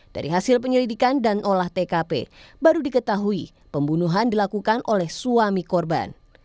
dari hasil penyelidikan dan olah tkp baru diketahui pembunuhan dilakukan oleh suami korban